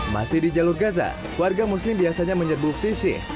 masih di jalur gaza warga muslim biasanya menyerbu fisik